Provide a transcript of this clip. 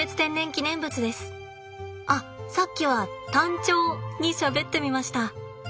あっさっきは単調にしゃべってみました。